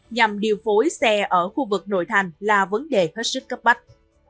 nhằm điều phối xe ở khu vực nội thành là vấn đề hết sức cấp bách